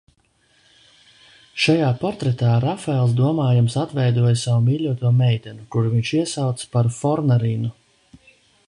Šajā portretā Rafaels, domājams, atveidoja savu mīļoto meiteni, kuru viņš iesauca par Fornarinu.